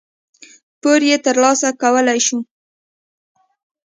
پور یې ترلاسه کولای شو.